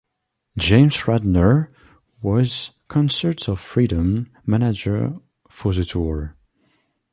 James Radner was "Concerts for Freedom" manager for the tour.